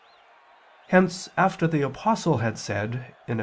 Hence after the Apostle had said (Eph.